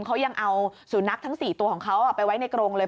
เขายังเอาสุนัขทั้ง๔ตัวของเขาไปไว้ในกรงเลย